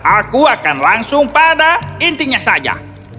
aku akan langsung pada intinya saja